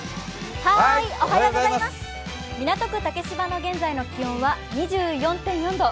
港区竹芝の現在の気温は２４．４度。